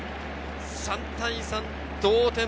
３対３、同点。